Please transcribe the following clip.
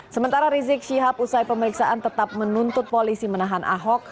sementara rizik syihab usai pemeriksaan tetap menuntut polisi menahan ahok